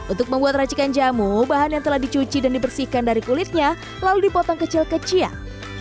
untuk membuat racikan jamu bahan yang telah dicuci dan dibersihkan dari kulitnya lalu dipotong kecil kecil